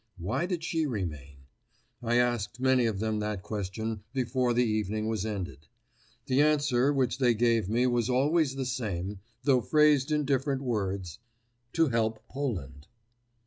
Why did she remain? I asked many of them that question before the evening was ended. The answer which they gave me was always the same, though phrased in different words, "To help Poland."